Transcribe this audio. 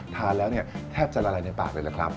ทานแล้วแทบจะละลายในปากเลยนะครับ